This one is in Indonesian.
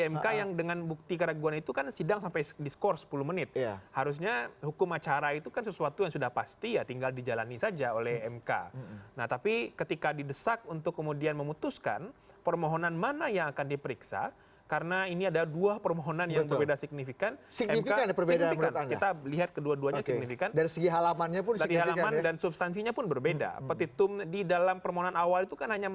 menurut saya hampir semuanya dijawab